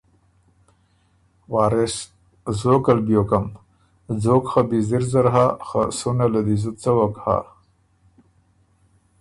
وارث ـــ زوکل بیوکم، ځوک خه بیزِر زر هۀ خه سُنه له دی زُت څوک هۀ۔